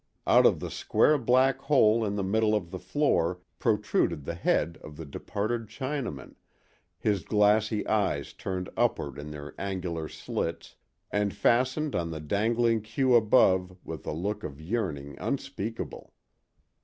Out of the square black hole in the middle of the floor protruded the head of the departed Chinaman, his glassy eyes turned upward in their angular slits and fastened on the dangling queue above with a look of yearning unspeakable.